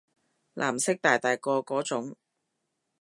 藍色大大個嗰種